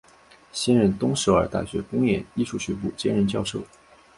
现任东首尔大学公演艺术学部兼任教授。